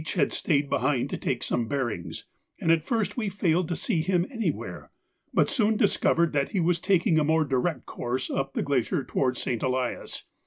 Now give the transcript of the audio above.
had stayed behind to take some bearings, and at first we failed to see him anywhere, but soon discovered that he was taking a more direct course up the glacier towards St. Elias.